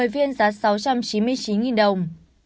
một mươi viên giá sáu trăm chín mươi chín đồng